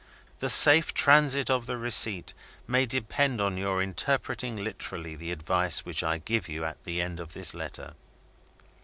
The safe transit of the receipt may depend on your interpreting literally the advice which I give you at the end of this letter.